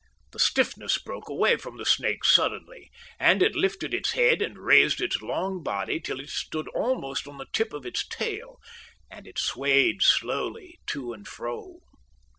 The stiffness broke away from the snake suddenly, and it lifted its head and raised its long body till it stood almost on the tip of its tail, and it swayed slowly to and fro.